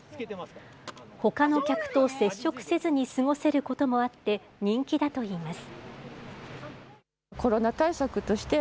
ほかの客と接触せずに過ごせることもあって、人気だといいます。